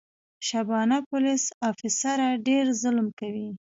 شبانه پولیس افیسره ډېر ظلم کوي.